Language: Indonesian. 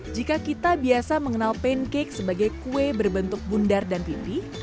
jika kita biasa mengenal pancake sebagai kue berbentuk bundar dan pipih